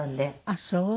あっそう。